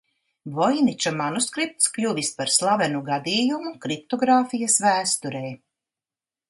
Voiniča manuskripts kļuvis par slavenu gadījumu kriptogrāfijas vēsturē.